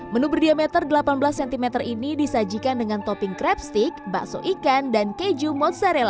menu berdiameter delapan belas cm ini disajikan dengan topping krep stick bakso ikan dan keju mozzarella